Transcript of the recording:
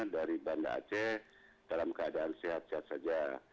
dari banda aceh dalam keadaan sehat sehat saja